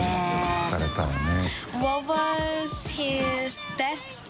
聞かれたらね。